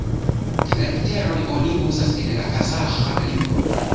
La literon oni uzas en la Kazaĥa lingvo.